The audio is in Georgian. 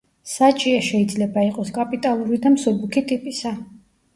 საჭიე შეიძლება იყოს კაპიტალური და მსუბუქი ტიპისა.